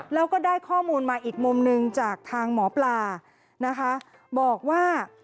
แล้วก็ได้ข้อมูลมาอีกมุมหนึ่งจากทางหมอปลานะคะบอกว่า